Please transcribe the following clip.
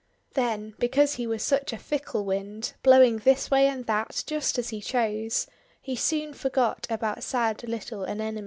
Then, because he was such a fickle Wind, blowing this way and that just as he chose, he soon forgot about sad little Anemone.